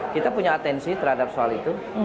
kita punya atensi terhadap soal itu